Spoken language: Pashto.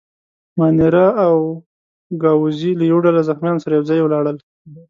مانیرا او ګاووزي له یوه ډله زخیمانو سره یو ځای ولاړل.